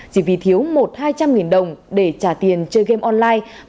chỉ vì thiếu một hai trăm linh đồng để trả tiền chơi game online